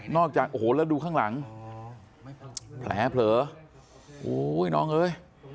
จากโอ้โหแล้วดูข้างหลังแผลเผลอโอ้ยน้องเอ้ย